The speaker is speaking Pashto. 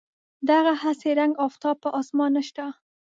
دغه هسې رنګ آفتاب په اسمان نشته.